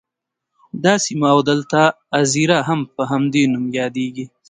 دا سیمه او دلته اَذيره په همدې نوم یادیږي.